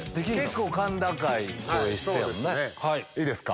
いいですか？